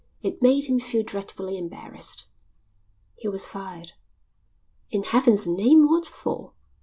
It made him feel dreadfully embarrassed. "He was fired." "In heaven's name what for?"